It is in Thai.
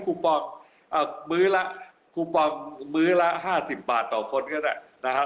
คูปองคูปองมื้อละ๕๐บาทต่อคนก็ได้นะฮะ